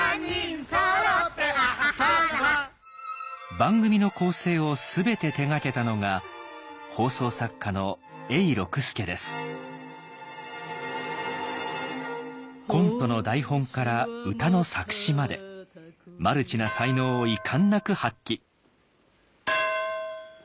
番組の構成を全て手がけたのがコントの台本から歌の作詞までマルチな才能を遺憾なく発揮。